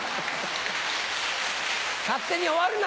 勝手に終わるな！